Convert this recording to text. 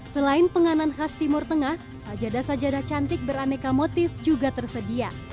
selain penganan khas timur tengah sajadah sajadah cantik beraneka motif juga tersedia